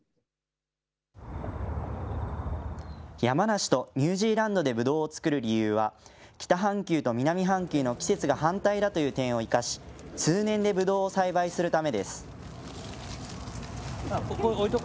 山梨とニュージーランドでぶどうを作る理由は、北半球と南半球の季節が反対だという点を生かし、通年でぶどうを栽培するためです。